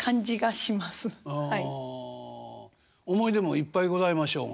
思い出もいっぱいございましょうが。